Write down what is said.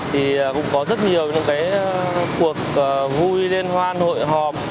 thì cũng có rất nhiều những cái cuộc vui liên hoan hội hòm